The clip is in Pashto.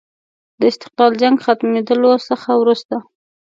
د استقلال جنګ ختمېدلو څخه وروسته.